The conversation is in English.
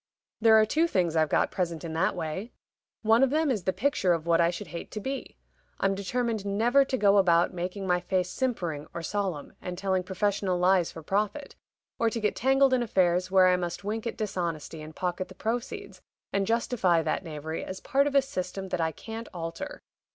There are two things I've got present in that way: one of them is the picture of what I should hate to be. I'm determined never to go about making my face simpering or solemn, and telling professional lies for profit; or to get tangled in affairs where I must wink at dishonesty and pocket the proceeds, and justify that knavery as part of a system that I can't alter.